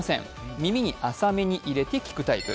耳に浅めに入れて聞くタイプ。